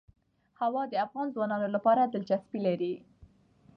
هوا د افغان ځوانانو لپاره دلچسپي لري.